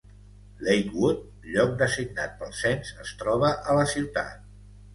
Lakewood, lloc designat pel cens, es troba a la ciutat.